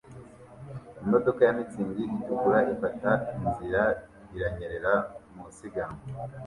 Imodoka ya mitingi itukura ifata inzira iranyerera mu isiganwa